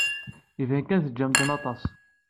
Iban kan tejjmem-ten aṭas.